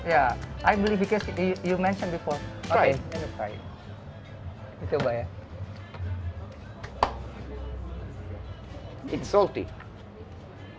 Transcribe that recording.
ya saya percaya karena kamu sudah menyebutkan sebelumnya